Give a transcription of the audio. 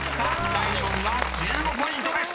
［第２問は１５ポイントです］